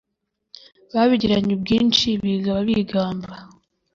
Babigiranye ubwinshi Bigaba bigamba